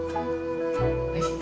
おいしい？